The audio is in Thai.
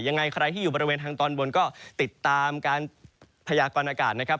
ยังไงใครที่อยู่บริเวณทางตอนบนก็ติดตามการพยากรณากาศนะครับ